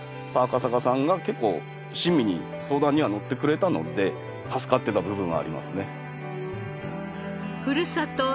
赤坂さんが結構親身に相談にはのってくれたので助かってた部分はありますね。